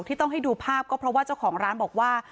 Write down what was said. ที่ต้องให้ดูภาพก็เพราะว่าเจ้าของร้านบอกว่า